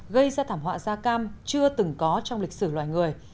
gây ra thảm họa da cam chưa từng có trong lịch sử loài người